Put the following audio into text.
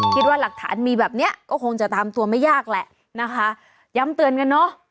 คิดว่าหลักฐานมีแบบเนี้ยก็คงจะตามตัวไม่ยากแหละนะคะย้ำเตือนกันเนอะ